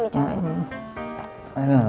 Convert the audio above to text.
kayak gini caranya